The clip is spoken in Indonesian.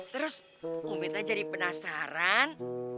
terus umitnya jadi penasaran